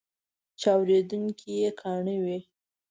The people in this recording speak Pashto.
چې اورېدونکي یې کاڼه وي.